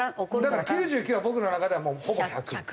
だから９９は僕の中ではもうほぼ１００。